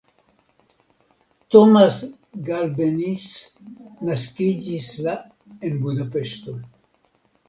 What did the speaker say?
Tomasz Galbenisz naskiĝis la en Budapeŝto.